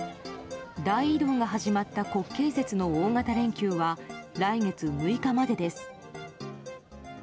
大移動が始まった国慶節の大型連休は来月６日までです。